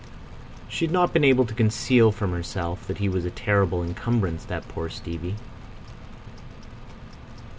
She had not been able to conceal from herself that he was a terrible encumbrance, that poor Stevie.